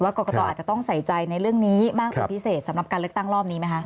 กรกตอาจจะต้องใส่ใจในเรื่องนี้มากเป็นพิเศษสำหรับการเลือกตั้งรอบนี้ไหมคะ